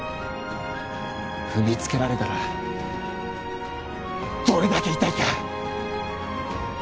踏みつけられたらどれだけ痛いか！